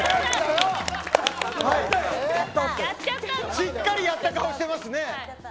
しっかりやった顔してますね。